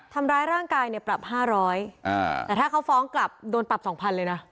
ทำร้ายร่างกายเนี่ยปรับ๕๐๐แต่ถ้าเขาฟ้องกลับโดนปรับสองพันเลยนะ